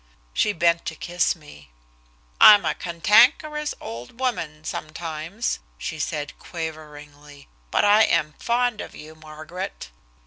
She bent to kiss me. "I'm a cantankerous old woman, sometimes," she said quaveringly, "but I am fond of you, Margaret."